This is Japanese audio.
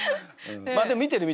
まあでも見てる見てる。